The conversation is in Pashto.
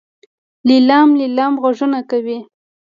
لیلام لیلام غږونه کوي.